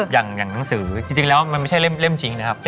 มันมีคือยังถึงแล้วมันไม่ใช่เล่นเล่มจริงนะครับ